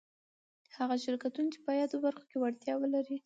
هغه شرکتونه چي په يادو برخو کي وړتيا ولري